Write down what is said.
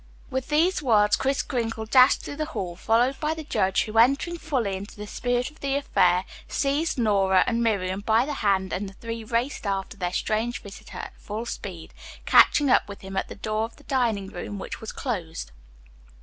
With these words Kris Kringle dashed through the hall followed by the judge who, entering fully into the spirit of the affair, seized Nora and Miriam by the hand and the three raced after their strange visitor at full speed, catching up with him at the door of the dining room which was closed.